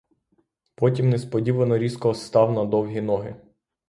Потім несподівано різко став на довгі ноги.